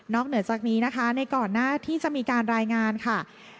เหนือจากนี้นะคะในก่อนหน้าที่จะมีการรายงานค่ะ